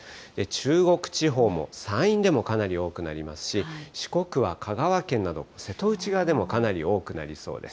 中国地方も、山陰でもかなり多くなりますし、四国は香川県など、瀬戸内側でもかなり多くなりそうです。